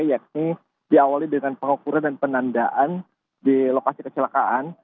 yakni diawali dengan pengukuran dan penandaan di lokasi kecelakaan